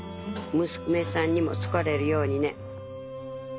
娘さんにも好かれるようにね。